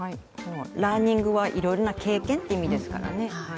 ラーニングはいろいろな経験という意味ですからね。